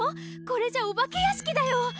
これじゃお化けやしきだよ！